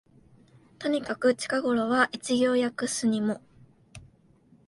とにかく近頃は一行訳すにも、